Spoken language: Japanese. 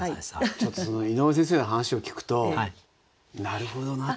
ちょっとその井上先生の話を聞くとなるほどなと。